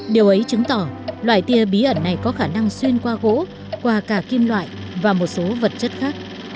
điều ấy chứng tỏ loại tia bí ẩn này có khả năng xuyên qua gỗ qua cả kim loại và một số vật chất khác